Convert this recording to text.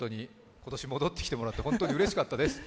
今年戻ってきてもらって本当にうれしかったです。